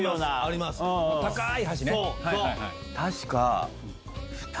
確か。